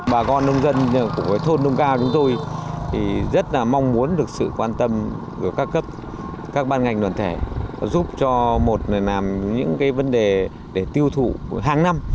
bà con nông dân của thôn đông cao chúng tôi thì rất là mong muốn được sự quan tâm của các cấp các ban ngành đoàn thể giúp cho một người làm những vấn đề để tiêu thụ hàng năm